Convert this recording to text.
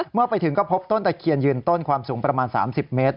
เมื่อไปถึงก็พบต้นตะเคียนยืนต้นความสูงประมาณ๓๐เมตร